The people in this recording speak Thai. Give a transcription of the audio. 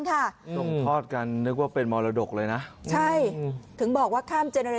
ส่งทอดกันนึกว่าเป็นมรดกเลยนะใช่ถึงบอกว่าข้ามเจนาเร